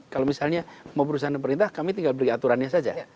kalau misalnya mau berurusan dengan pemerintah kami tinggal beri aturannya saja